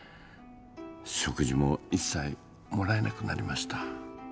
食事を一切もらえなくなりました。